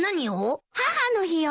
母の日よ！